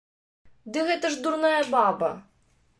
Ды гэта ж дурная баба!